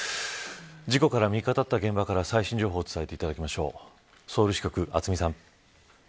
事故から３日たった現場から最新情報をお伝えしていただきます。